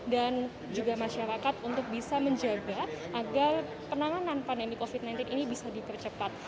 dan juga masyarakat untuk bisa menjaga agar penanganan pandemi covid sembilan belas ini bisa dipercepat